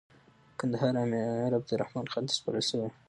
کندهار امیر عبدالرحمن خان ته سپارل سوی وو.